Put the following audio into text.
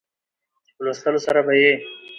چې په لوستلو سره به يې